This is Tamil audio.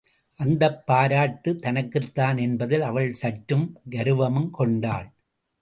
அந்தப் பாராட்டுத் தனக்குத்தான் என்பதில் அவள் சற்றுக் கருவமும் கொண்டாள்.